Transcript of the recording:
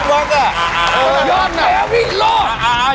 มันแย่มิโลด